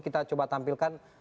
kita coba tampilkan